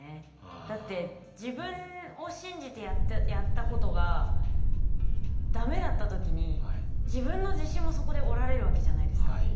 だって自分を信じてやったことが駄目だった時に自分の自信もそこで折られるわけじゃないですか。